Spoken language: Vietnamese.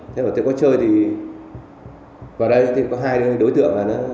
thế rồi tôi có chơi thì vào đây có hai đối tượng